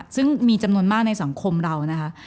ซึ่งมีจำนวนมากในสังคมเรานะคะ